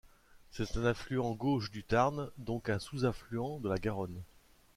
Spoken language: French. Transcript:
C'est un affluent gauche du Tarn, donc un sous-affluent de la Garonne.